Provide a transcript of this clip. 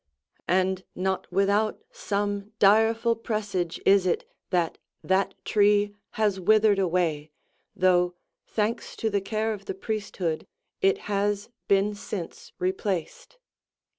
And not without some direful presage is it that that tree has withered away, though, thanks to the care of the priesthood, it has been since replaced.